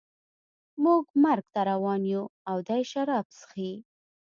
موږ مرګ ته روان یو او دی شراب څښي